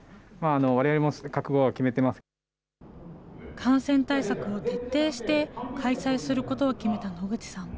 感染対策を徹底して、開催することを決めた野口さん。